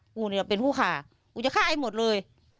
กูเนี่ยเป็นผู้ฆ่ากูจะฆ่าไอ้หมดเลย